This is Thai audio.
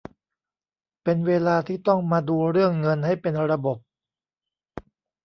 เป็นเวลาที่ต้องมาดูเรื่องเงินให้เป็นระบบ